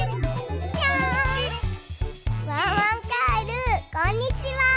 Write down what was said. ワンワンカエルこんにちは！